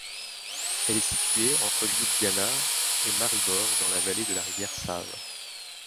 Elle est située entre Ljubljana et Maribor dans la vallée de la rivière Save.